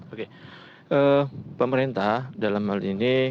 oke pemerintah dalam hal ini